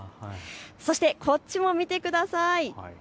そしてこっちも見てください。